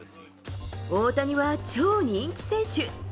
大谷は超人気選手。